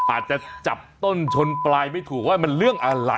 อาจจะจับต้นชนปลายไม่ถูกว่ามันเรื่องอะไร